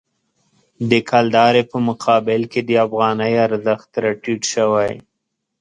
د کلدارې په مقابل کې د افغانۍ ارزښت راټیټ شوی.